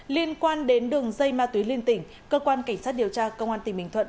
liên quan đến đường dây ma túy liên tỉnh cơ quan cảnh sát điều tra công an tỉnh bình thuận